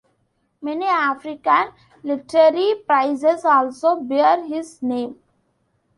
Many African literary prizes also bear his name.